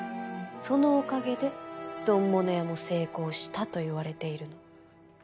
そのおかげで丼物屋も成功したと言われているの。